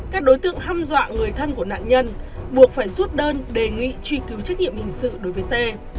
các đối tượng hâm dọa người thân của nạn nhân buộc phải rút đơn đề nghị truy cứu trách nhiệm hình sự đối với t